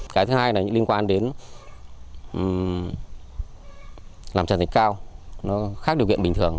cái thứ hai là những liên quan đến làm trần thạch cao nó khác điều kiện bình thường